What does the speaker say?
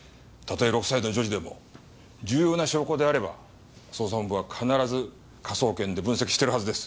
たとえ６歳の女児でも重要な証拠であれば捜査本部は必ず科捜研で分析してるはずです！